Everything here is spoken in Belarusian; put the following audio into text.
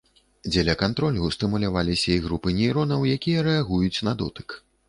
Дзеля кантролю стымуляваліся і групы нейронаў, якія рэагуюць на дотык.